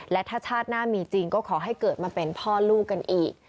และถ้าชาติหน้ามีจริงก็ขอให้เกิดมาเป็นพ่อลูกกันอีก